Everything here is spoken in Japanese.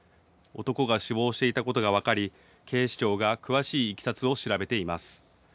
男が死亡していたことが分かり警視庁が詳しいいきさつを調べています。